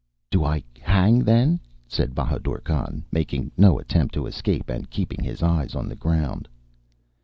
"Do I hang, then?" said Bahadur Khan, making no attempt to escape and keeping his eyes on the ground.